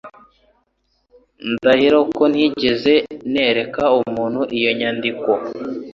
Ndahiro ko ntigeze nereka umuntu iyo nyandiko.